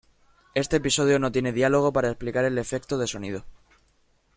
Este episodio no tiene diálogo para explicar el efecto de sonido.